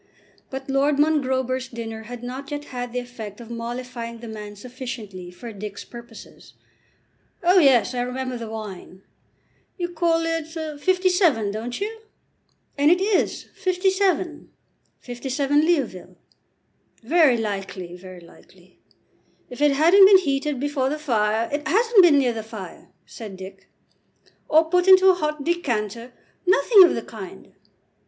But Lord Mongrober's dinner had not yet had the effect of mollifying the man sufficiently for Dick's purposes. "Oh, yes, I remember the wine. You call it '57, don't you?" "And it is '57; '57, Leoville." "Very likely, very likely. If it hadn't been heated before the fire " "It hasn't been near the fire," said Dick. "Or put into a hot decanter " "Nothing of the kind."